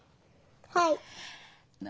はい。